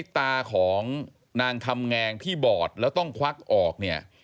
ตาของนางคำแงงที่บอดแล้วต้องควักออกเนี่ย